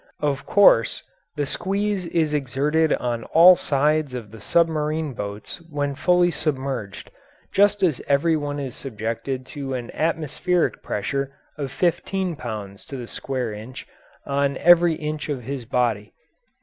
Of course, the squeeze is exerted on all sides of the submarine boats when fully submerged, just as every one is subjected to an atmospheric pressure of fifteen pounds to the square inch on every inch of his body.